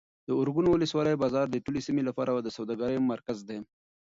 د ارګون ولسوالۍ بازار د ټولې سیمې لپاره د سوداګرۍ مرکز دی.